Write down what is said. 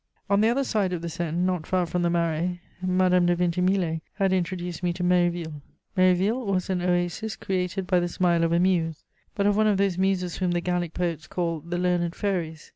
_ On the other side of the Seine, not far from the Marais, Madame de Vintimille had introduced me to Méréville. Méréville was an oasis created by the smile of a muse, but of one of those muses whom the Gallic poets call "the learned fairies."